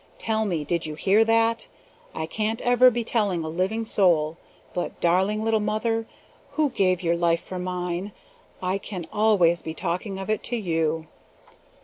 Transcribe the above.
Tell me, did you hear that? I can't ever be telling a living soul; but darling little mother, who gave your life for mine, I can always be talking of it to you!